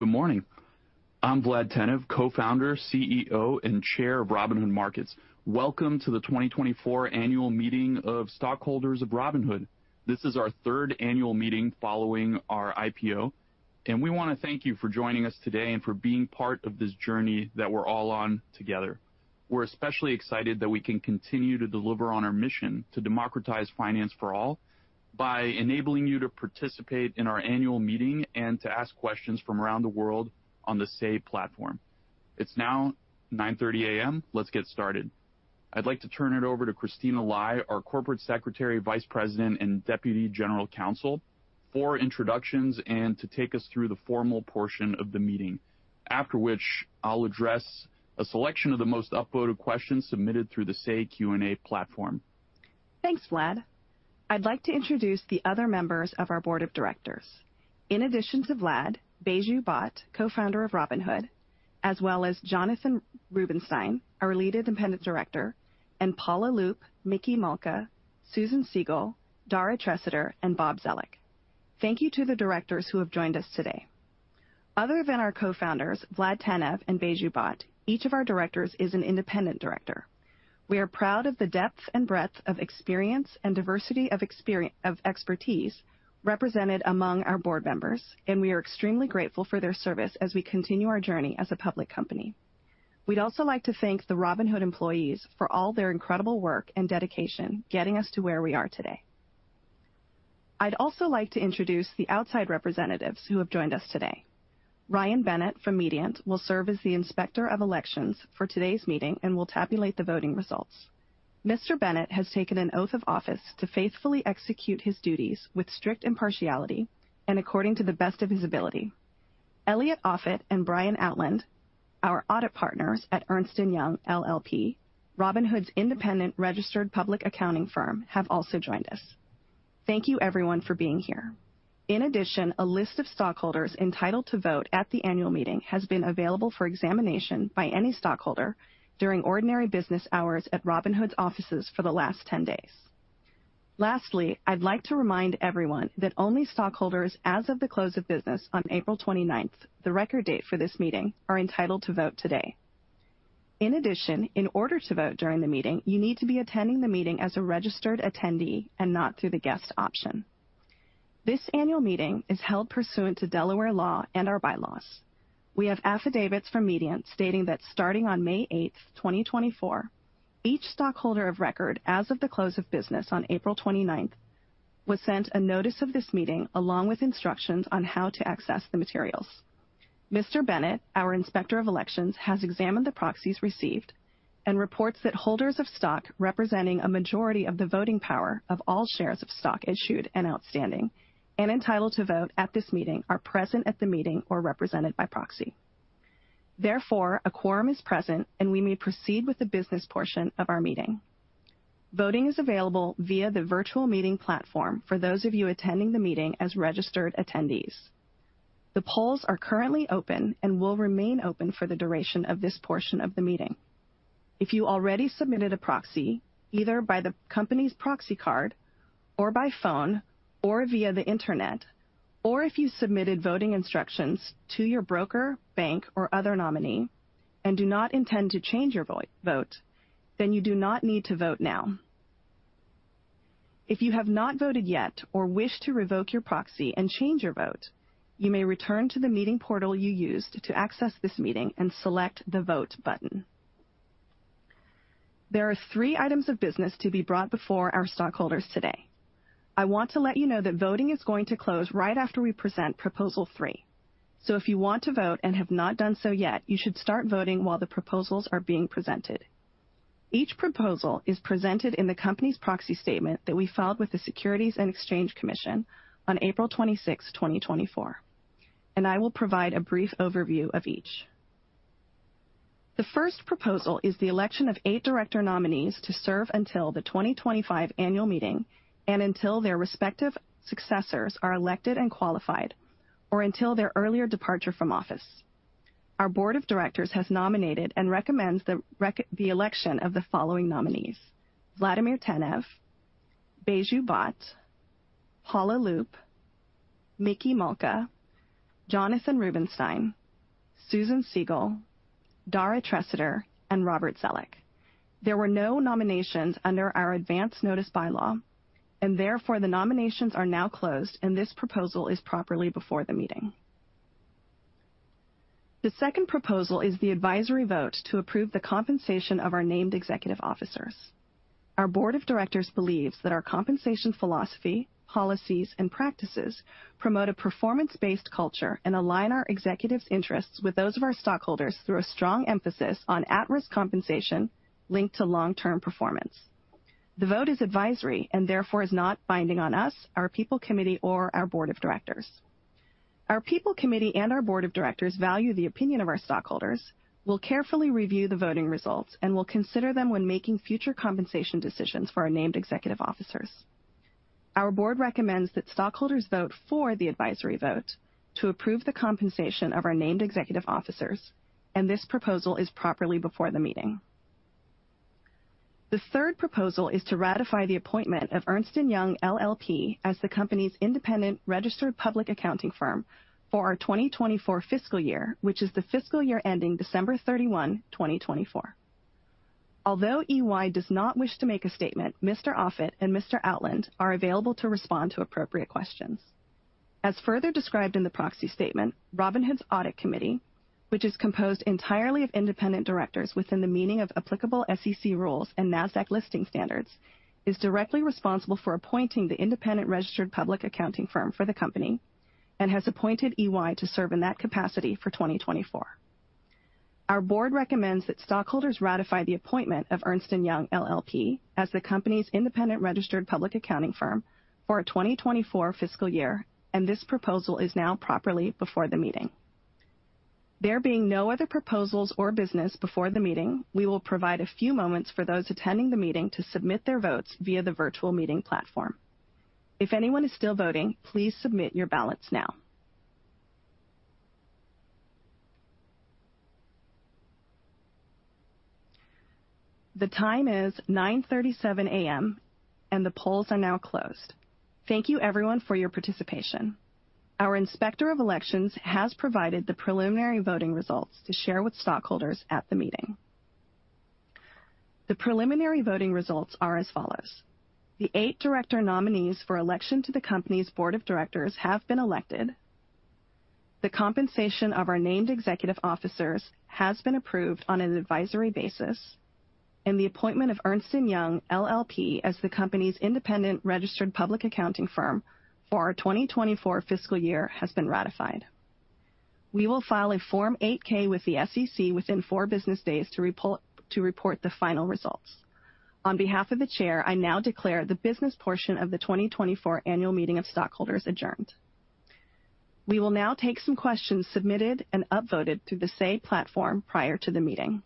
Good morning. I'm Vlad Tenev, co-founder, CEO, and Chair of Robinhood Markets. Welcome to the 2024 annual meeting of stockholders of Robinhood. This is our third annual meeting following our IPO, and we wanna thank you for joining us today and for being part of this journey that we're all on together. We're especially excited that we can continue to deliver on our mission to democratize finance for all by enabling you to participate in our annual meeting and to ask questions from around the world on the Say Platform. It's now 9:30 A.M. Let's get started. I'd like to turn it over to Christina Lai, our Corporate Secretary, Vice President, and Deputy General Counsel, for introductions and to take us through the formal portion of the meeting, after which I'll address a selection of the most upvoted questions submitted through the Say Q&A platform. Thanks, Vlad. I'd like to introduce the other members of our board of directors. In addition to Vlad, Baiju Bhatt, co-founder of Robinhood, as well as Jonathan Rubinstein, our lead independent director, and Paula Loop, Micky Malka, Susan Siegel, Dara Treseder, and Bob Zoellick. Thank you to the directors who have joined us today. Other than our cofounders, Vlad Tenev and Baiju Bhatt, each of our directors is an independent director. We are proud of the depth and breadth of experience and diversity of expertise represented among our board members, and we are extremely grateful for their service as we continue our journey as a public company. We'd also like to thank the Robinhood employees for all their incredible work and dedication, getting us to where we are today. I'd also like to introduce the outside representatives who have joined us today. Ryan Bennett from Mediant will serve as the inspector of elections for today's meeting and will tabulate the voting results. Mr. Bennett has taken an oath of office to faithfully execute his duties with strict impartiality and according to the best of his ability. Elliot Offit and Brian Outland, our audit partners at Ernst & Young LLP, Robinhood's independent registered public accounting firm, have also joined us. Thank you, everyone, for being here. In addition, a list of stockholders entitled to vote at the annual meeting has been available for examination by any stockholder during ordinary business hours at Robinhood's offices for the last 10 days. Lastly, I'd like to remind everyone that only stockholders as of the close of business on April twenty-ninth, the record date for this meeting, are entitled to vote today. In addition, in order to vote during the meeting, you need to be attending the meeting as a registered attendee and not through the guest option. This annual meeting is held pursuant to Delaware law and our bylaws. We have affidavits from Mediant stating that starting on May 8, 2024, each stockholder of record as of the close of business on April 29, was sent a notice of this meeting, along with instructions on how to access the materials. Mr. Bennett, our inspector of elections, has examined the proxies received and reports that holders of stock representing a majority of the voting power of all shares of stock issued and outstanding and entitled to vote at this meeting, are present at the meeting or represented by proxy. Therefore, a quorum is present, and we may proceed with the business portion of our meeting. Voting is available via the virtual meeting platform for those of you attending the meeting as registered attendees. The polls are currently open and will remain open for the duration of this portion of the meeting. If you already submitted a proxy, either by the company's proxy card or by phone or via the Internet, or if you submitted voting instructions to your broker, bank, or other nominee and do not intend to change your vote, then you do not need to vote now. If you have not voted yet or wish to revoke your proxy and change your vote, you may return to the meeting portal you used to access this meeting and select the Vote button. There are three items of business to be brought before our stockholders today. I want to let you know that voting is going to close right after we present proposal 3, so if you want to vote and have not done so yet, you should start voting while the proposals are being presented. Each proposal is presented in the company's proxy statement that we filed with the Securities and Exchange Commission on April 26, 2024, and I will provide a brief overview of each. The first proposal is the election of eight director nominees to serve until the 2025 annual meeting and until their respective successors are elected and qualified or until their earlier departure from office. Our board of directors has nominated and recommends the election of the following nominees: Vladimir Tenev, Baiju Bhatt, Paula Loop, Micky Malka, Jonathan Rubinsztein, Susan Siegel, Dara Treseder, and Robert Zoellick. There were no nominations under our advance notice bylaw, and therefore, the nominations are now closed, and this proposal is properly before the meeting. The second proposal is the advisory vote to approve the compensation of our named executive officers. Our board of directors believes that our compensation philosophy, policies, and practices promote a performance-based culture and align our executives' interests with those of our stockholders through a strong emphasis on at-risk compensation linked to long-term performance. The vote is advisory and therefore is not binding on us, our People Committee, or our board of directors. Our People Committee and our board of directors value the opinion of our stockholders, will carefully review the voting results, and will consider them when making future compensation decisions for our named executive officers. Our board recommends that stockholders vote for the advisory vote to approve the compensation of our named executive officers, and this proposal is properly before the meeting. The third proposal is to ratify the appointment of Ernst & Young LLP as the company's independent registered public accounting firm for our 2024 fiscal year, which is the fiscal year ending December 31, 2024. Although EY does not wish to make a statement, Mr. Offit and Mr. Outland are available to respond to appropriate questions. As further described in the proxy statement, Robinhood's Audit Committee, which is composed entirely of independent directors within the meaning of applicable SEC rules and Nasdaq listing standards, is directly responsible for appointing the independent registered public accounting firm for the company and has appointed EY to serve in that capacity for 2024. Our board recommends that stockholders ratify the appointment of Ernst & Young LLP as the company's independent registered public accounting firm for our 2024 fiscal year, and this proposal is now properly before the meeting. There being no other proposals or business before the meeting, we will provide a few moments for those attending the meeting to submit their votes via the virtual meeting platform. If anyone is still voting, please submit your ballots now. The time is 9:37 A.M., and the polls are now closed. Thank you everyone for your participation. Our Inspector of Elections has provided the preliminary voting results to share with stockholders at the meeting. The preliminary voting results are as follows: The eight director nominees for election to the company's board of directors have been elected. The compensation of our named executive officers has been approved on an advisory basis, and the appointment of Ernst & Young LLP as the company's independent registered public accounting firm for our 2024 fiscal year has been ratified. We will file a Form 8-K with the SEC within four business days to report the final results. On behalf of the Chair, I now declare the business portion of the 2024 Annual Meeting of Stockholders adjourned. We will now take some questions submitted and upvoted through the Say Platform prior to the meeting.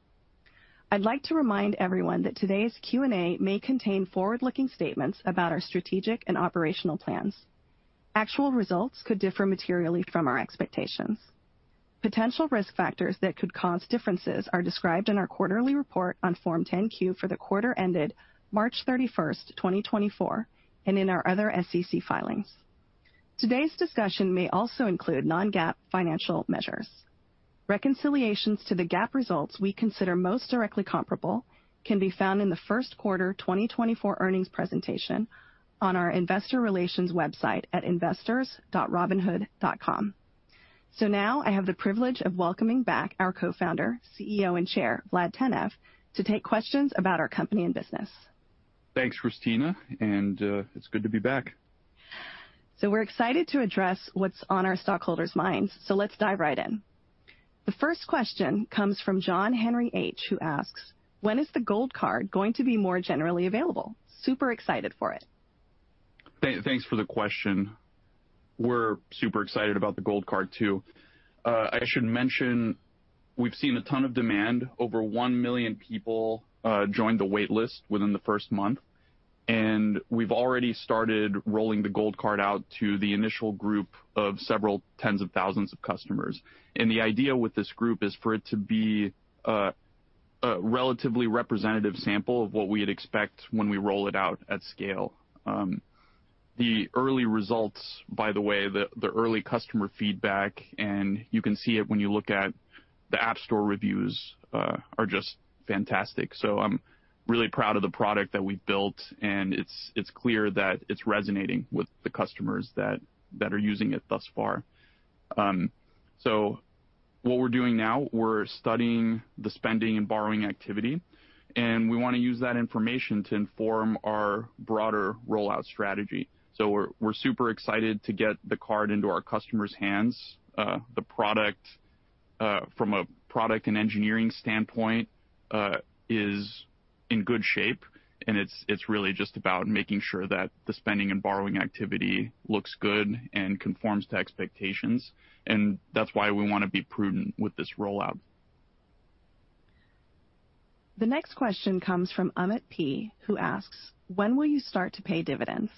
I'd like to remind everyone that today's Q&A may contain forward-looking statements about our strategic and operational plans. Actual results could differ materially from our expectations. Potential risk factors that could cause differences are described in our quarterly report on Form 10-Q for the quarter ended March 31, 2024, and in our other SEC filings. Today's discussion may also include non-GAAP financial measures. Reconciliations to the GAAP results we consider most directly comparable can be found in the first quarter 2024 earnings presentation on our investor relations website at investors.robinhood.com. So now I have the privilege of welcoming back our co-founder, CEO, and chair, Vlad Tenev, to take questions about our company and business. Thanks, Christina, and, it's good to be back. So we're excited to address what's on our stockholders' minds, so let's dive right in. The first question comes from John Henry H, who asks: When is the Gold Card going to be more generally available? Super excited for it. Thanks for the question. We're super excited about the Gold Card, too. I should mention we've seen a ton of demand. Over 1 million people joined the wait list within the first month, and we've already started rolling the Gold Card out to the initial group of several tens of thousands of customers. And the idea with this group is for it to be a relatively representative sample of what we'd expect when we roll it out at scale. The early results, by the way, the early customer feedback, and you can see it when you look at the App Store reviews, are just fantastic. So I'm really proud of the product that we've built, and it's clear that it's resonating with the customers that are using it thus far. So what we're doing now, we're studying the spending and borrowing activity, and we wanna use that information to inform our broader rollout strategy. We're, we're super excited to get the card into our customers' hands. The product, from a product and engineering standpoint, is in good shape, and it's, it's really just about making sure that the spending and borrowing activity looks good and conforms to expectations, and that's why we wanna be prudent with this rollout. The next question comes from Amit P, who asks: When will you start to pay dividends?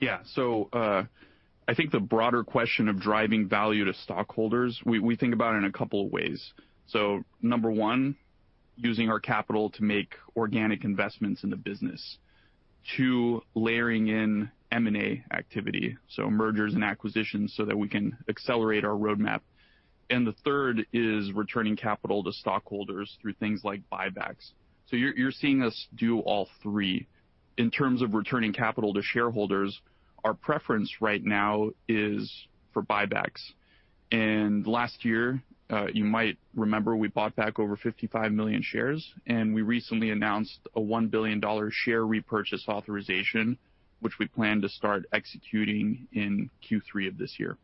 Yeah. So, I think the broader question of driving value to stockholders, we, we think about it in a couple of ways. So number one, using our capital to make organic investments in the business. Two, layering in M&A activity, so mergers and acquisitions, so that we can accelerate our roadmap. And the third is returning capital to stockholders through things like buybacks. So you're, you're seeing us do all three. In terms of returning capital to shareholders, our preference right now is for buybacks, and last year, you might remember, we bought back over 55 million shares, and we recently announced a $1 billion share repurchase authorization, which we plan to start executing in Q3 of this year.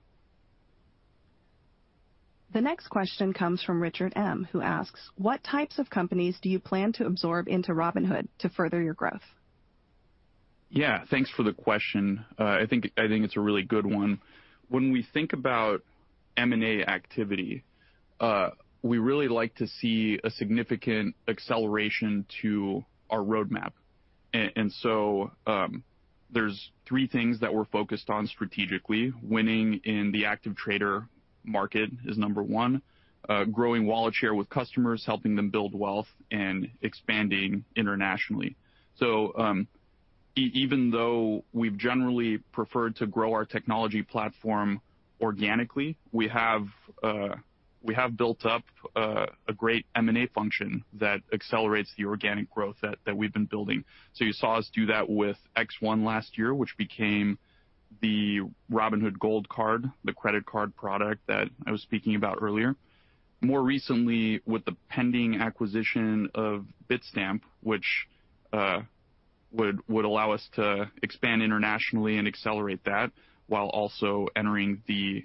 The next question comes from Richard M, who asks: What types of companies do you plan to absorb into Robinhood to further your growth? Yeah, thanks for the question. I think, I think it's a really good one. When we think about M&A activity, we really like to see a significant acceleration to our roadmap. So, there's three things that we're focused on strategically. Winning in the active trader market is number one, growing wallet share with customers, helping them build wealth, and expanding internationally. So, even though we've generally preferred to grow our technology platform organically, we have built up a great M&A function that accelerates the organic growth that we've been building. So you saw us do that with X1 last year, which became the Robinhood Gold Card, the credit card product that I was speaking about earlier. More recently, with the pending acquisition of Bitstamp, which would allow us to expand internationally and accelerate that, while also entering the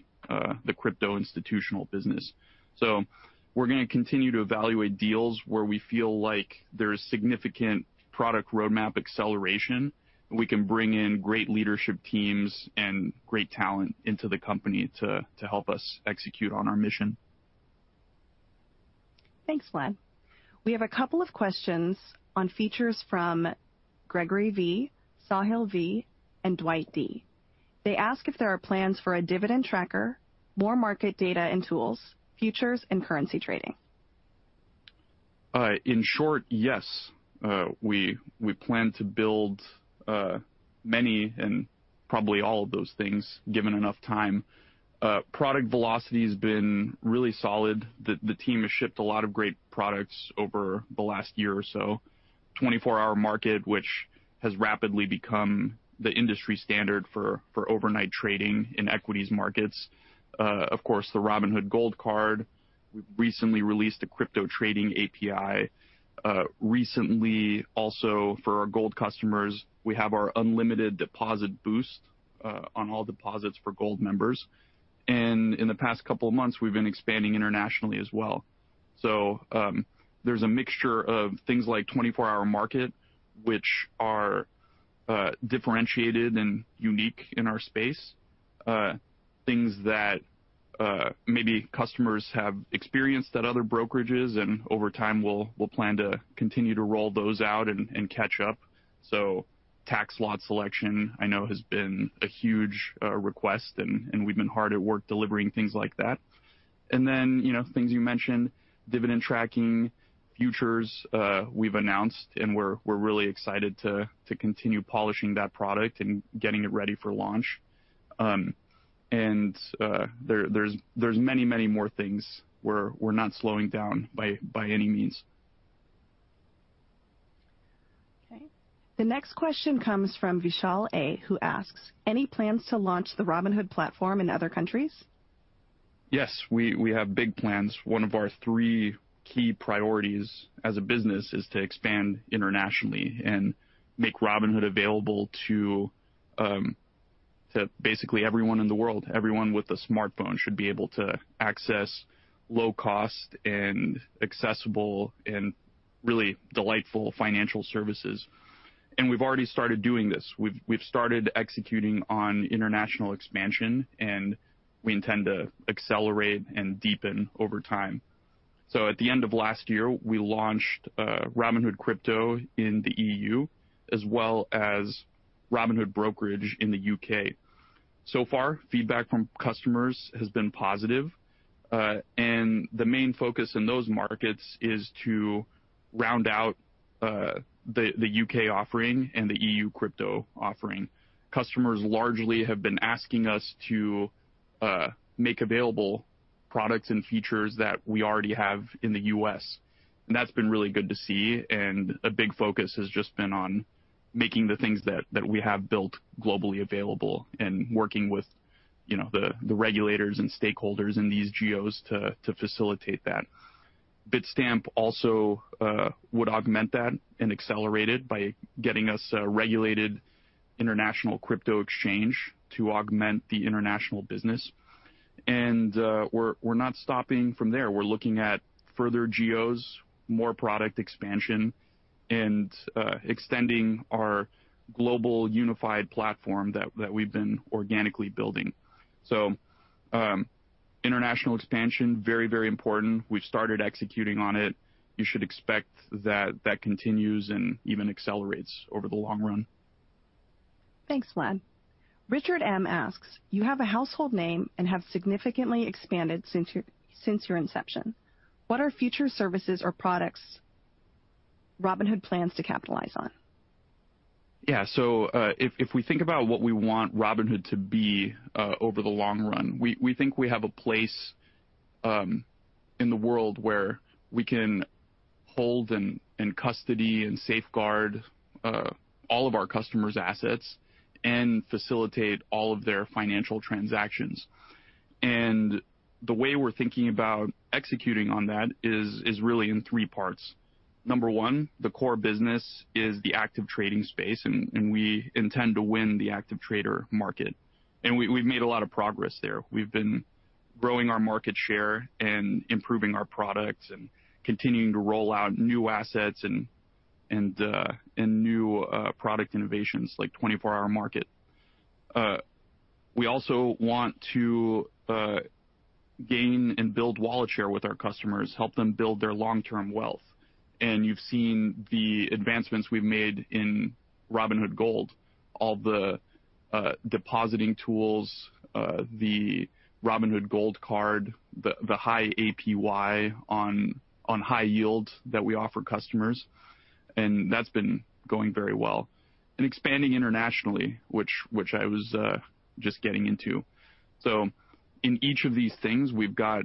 crypto institutional business. So we're gonna continue to evaluate deals where we feel like there is significant product roadmap acceleration, and we can bring in great leadership teams and great talent into the company to help us execute on our mission. Thanks, Vlad. We have a couple of questions on features from Gregory V, Sahil V, and Dwight D. They ask if there are plans for a dividend tracker, more market data and tools, futures and currency trading. In short, yes. We plan to build many and probably all of those things, given enough time. Product velocity has been really solid. The team has shipped a lot of great products over the last year or so. 24-Hour Market, which has rapidly become the industry standard for overnight trading in equities markets. Of course, the Robinhood Gold Card. We've recently released a Crypto Trading API. Recently, also for our Gold customers, we have our unlimited Deposit Boost on all deposits for Gold members. And in the past couple of months, we've been expanding internationally as well. So, there's a mixture of things like 24 Hour Market, which are differentiated and unique in our space, things that maybe customers have experienced at other brokerages, and over time, we'll plan to continue to roll those out and catch up. So tax lot selection, I know, has been a huge request, and we've been hard at work delivering things like that. And then, you know, things you mentioned, dividend tracking, futures, we've announced, and we're really excited to continue polishing that product and getting it ready for launch. And there are many more things. We're not slowing down by any means. Okay. The next question comes from Vishal A, who asks: "Any plans to launch the Robinhood platform in other countries? Yes, we, we have big plans. One of our three key priorities as a business is to expand internationally and make Robinhood available to, to basically everyone in the world. Everyone with a smartphone should be able to access low cost and accessible and really delightful financial services. And we've already started doing this. We've, we've started executing on international expansion, and we intend to accelerate and deepen over time. So at the end of last year, we launched, Robinhood Crypto in the EU, as well as Robinhood Brokerage in the UK. So far, feedback from customers has been positive, and the main focus in those markets is to round out, the, the UK offering and the EU Crypto offering. Customers largely have been asking us to make available products and features that we already have in the U.S., and that's been really good to see, and a big focus has just been on making the things that we have built globally available and working with, you know, the regulators and stakeholders in these geos to facilitate that. Bitstamp also would augment that and accelerate it by getting us a regulated international crypto exchange to augment the international business. And we're not stopping from there. We're looking at further geos, more product expansion, and extending our global unified platform that we've been organically building. So international expansion, very, very important. We've started executing on it. You should expect that that continues and even accelerates over the long run. Thanks, Vlad. Richard M asks: "You have a household name and have significantly expanded since your inception. What are future services or products Robinhood plans to capitalize on? Yeah. So, if we think about what we want Robinhood to be over the long run, we think we have a place in the world where we can hold in custody and safeguard all of our customers' assets and facilitate all of their financial transactions. And the way we're thinking about executing on that is really in three parts. Number one, the core business is the active trading space, and we intend to win the active trader market. And we've made a lot of progress there. We've been growing our market share and improving our products and continuing to roll out new assets and new product innovations like 24-hour market. We also want to gain and build wallet share with our customers, help them build their long-term wealth. And you've seen the advancements we've made in Robinhood Gold, all the depositing tools, the Robinhood Gold Card, the high APY on high yield that we offer customers, and that's been going very well. And expanding internationally, which I was just getting into. So in each of these things, we've got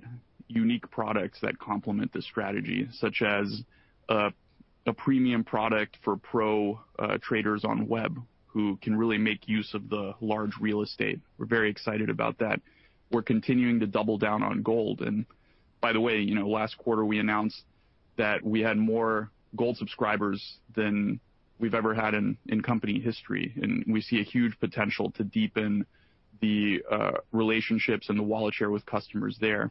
unique products that complement the strategy, such as a premium product for pro traders on web, who can really make use of the large real estate. We're very excited about that. We're continuing to double down on Gold, and by the way, you know, last quarter, we announced that we had more Gold subscribers than we've ever had in company history, and we see a huge potential to deepen the relationships and the wallet share with customers there.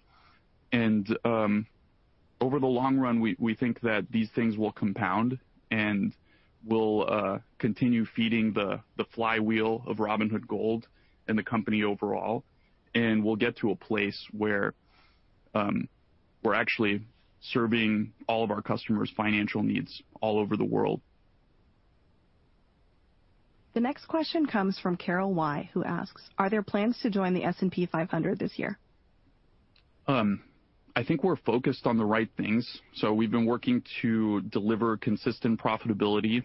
Over the long run, we think that these things will compound and will continue feeding the flywheel of Robinhood Gold and the company overall. We'll get to a place where we're actually serving all of our customers' financial needs all over the world. The next question comes from Carol Y, who asks: "Are there plans to join the S&P 500 this year? I think we're focused on the right things. So we've been working to deliver consistent profitability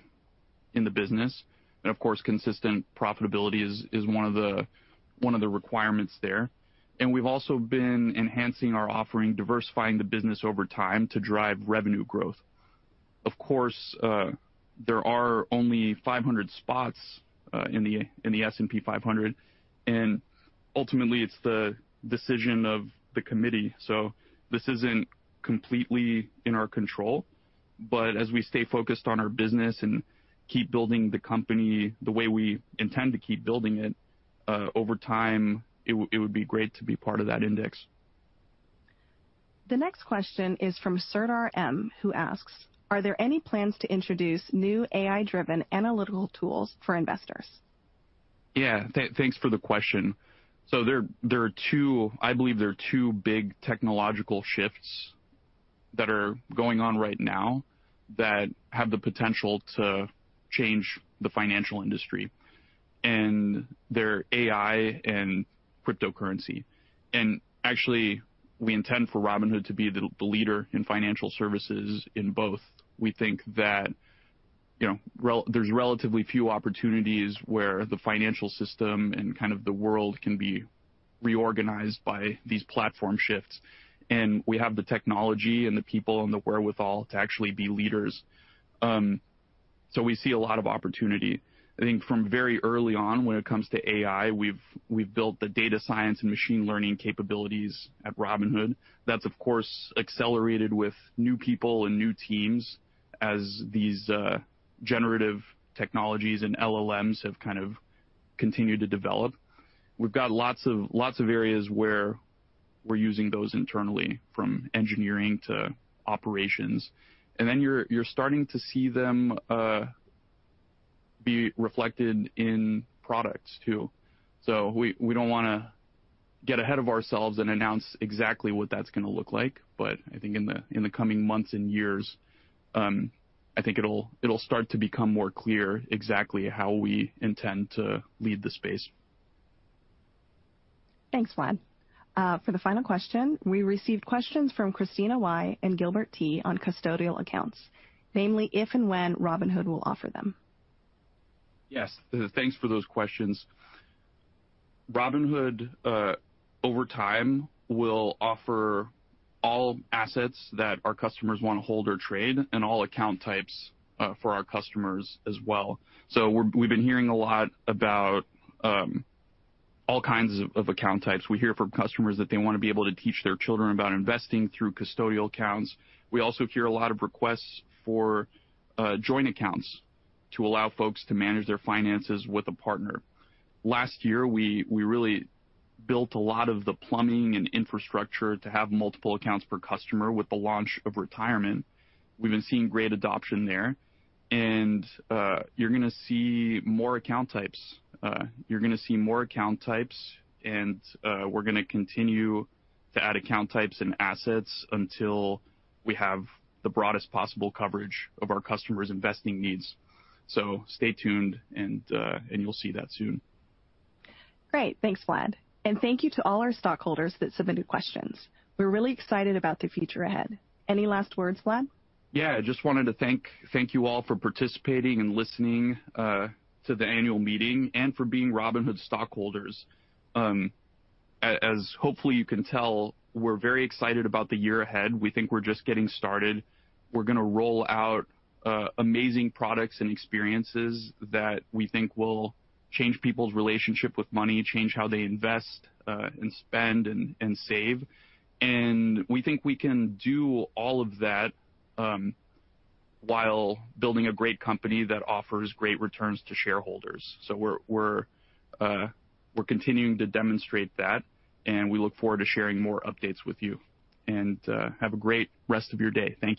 in the business, and of course, consistent profitability is, is one of the, one of the requirements there. And we've also been enhancing our offering, diversifying the business over time to drive revenue growth. Of course, there are only 500 spots, in the, in the S&P 500, and ultimately, it's the decision of the committee, so this isn't completely in our control. But as we stay focused on our business and keep building the company the way we intend to keep building it, over time, it would be great to be part of that index. The next question is from Serdar M., who asks, "Are there any plans to introduce new AI-driven analytical tools for investors? Yeah. Thanks for the question. So there are two—I believe there are two big technological shifts that are going on right now that have the potential to change the financial industry, and they're AI and cryptocurrency. And actually, we intend for Robinhood to be the leader in financial services in both. We think that, you know, there's relatively few opportunities where the financial system and kind of the world can be reorganized by these platform shifts, and we have the technology and the people and the wherewithal to actually be leaders. So we see a lot of opportunity. I think from very early on, when it comes to AI, we've built the data science and machine learning capabilities at Robinhood. That's, of course, accelerated with new people and new teams as these generative technologies and LLMs have kind of continued to develop. We've got lots of areas where we're using those internally, from engineering to operations. Then you're starting to see them be reflected in products, too. So we don't wanna get ahead of ourselves and announce exactly what that's gonna look like, but I think in the coming months and years, I think it'll start to become more clear exactly how we intend to lead the space. Thanks, Vlad. For the final question, we received questions from Christina Y and Gilbert T on custodial accounts, namely, if and when Robinhood will offer them. Yes, thanks for those questions. Robinhood, over time, will offer all assets that our customers wanna hold or trade, and all account types, for our customers as well. So we've been hearing a lot about, all kinds of, of account types. We hear from customers that they wanna be able to teach their children about investing through custodial accounts. We also hear a lot of requests for, joint accounts to allow folks to manage their finances with a partner. Last year, we really built a lot of the plumbing and infrastructure to have multiple accounts per customer with the launch of retirement. We've been seeing great adoption there, and, you're gonna see more account types. You're gonna see more account types, and we're gonna continue to add account types and assets until we have the broadest possible coverage of our customers' investing needs. So stay tuned, and you'll see that soon. Great! Thanks, Vlad. And thank you to all our stockholders that submitted questions. We're really excited about the future ahead. Any last words, Vlad? Yeah, I just wanted to thank, thank you all for participating and listening to the annual meeting and for being Robinhood stockholders. As hopefully you can tell, we're very excited about the year ahead. We think we're just getting started. We're gonna roll out amazing products and experiences that we think will change people's relationship with money, change how they invest, and spend and save. And we think we can do all of that while building a great company that offers great returns to shareholders. So we're continuing to demonstrate that, and we look forward to sharing more updates with you. And have a great rest of your day. Thank you.